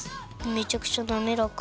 めちゃくちゃなめらか！